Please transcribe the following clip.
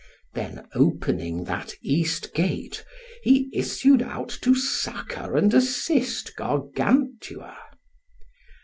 Then opening that east gate, he issued out to succour and assist Gargantua.